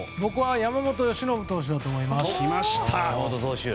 山本由伸投手だと思います。